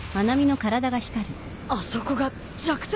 あそこが弱点？